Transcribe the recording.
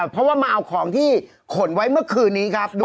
เพราะว่ามาเอาของที่ขนไว้เมื่อคืนนี้ครับ